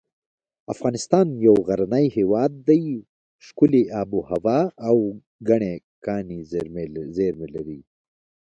افغانستان یو غرنی هیواد دی ښکلي اب هوا او ګڼې کاني زیر مې لري